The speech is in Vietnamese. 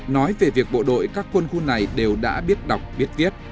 nói về việc bộ đội các quân khu này đều đã biết đọc biết viết